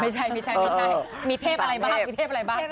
ไม่ใช่มีเทพอะไรบ้าง